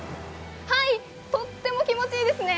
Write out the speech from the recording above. とっても気持ちいいですね。